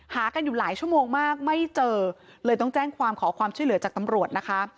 หากันอยู่หลายชั่วโมงมากไม่เจอเลยต้องแจ้งความขอความช่วยเหลือจากตำรวจนะคะ